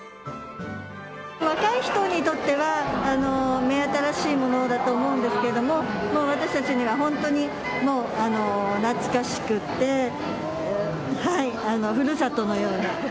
若い人にとっては目新しいものだと思うんですけれども、もう私たちには本当に、もう懐かしくって、ふるさとのような。